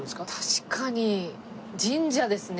確かに神社ですね。